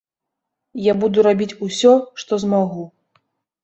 Я буду рабіць усё, што змагу.